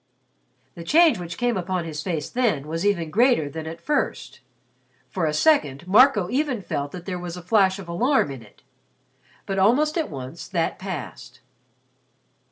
The change which came upon his face then was even greater than at first. For a second, Marco even felt that there was a flash of alarm in it. But almost at once that passed.